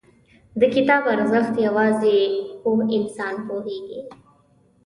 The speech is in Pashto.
• د کتاب ارزښت، یوازې پوه انسان پوهېږي.